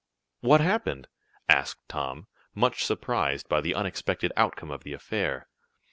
"What happened?" asked Tom, much surprised by the unexpected outcome of the affair.